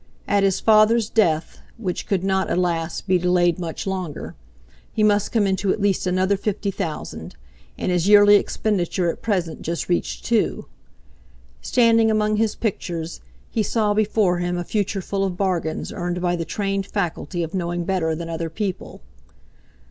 At his father's death, which could not, alas, be delayed much longer, he must come into at least another fifty thousand, and his yearly expenditure at present just reached two. Standing among his pictures, he saw before him a future full of bargains earned by the trained faculty of knowing better than other people.